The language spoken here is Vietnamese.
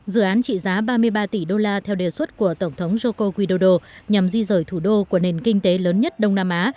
dự án trị giá ba mươi ba tỷ đô la theo đề xuất của tổng thống joko widodo nhằm di rời thủ đô của nền kinh tế lớn nhất đông nam á